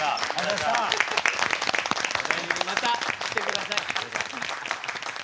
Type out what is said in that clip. また来て下さい。